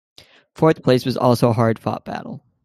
Fourth place was also a hard fought battle.